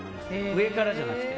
上からじゃなくて。